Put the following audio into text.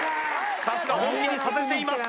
さすが本気にさせています